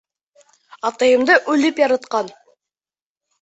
Атайымды үлеп яратҡан.